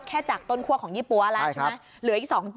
แค่จากต้นคั่วของยี่ปั๊วแล้วใช่ไหม